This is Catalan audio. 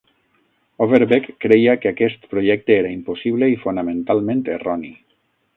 Overbeck creia que aquest projecte era impossible i fonamentalment erroni.